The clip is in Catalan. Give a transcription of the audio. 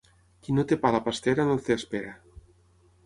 Qui no té pa a la pastera, no té espera.